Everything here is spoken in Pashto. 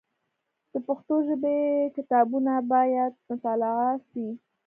د پښتو ژبي کتابونه باید مطالعه سي.